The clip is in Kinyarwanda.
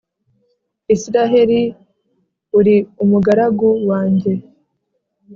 israheli, uri umugaragu wanjye,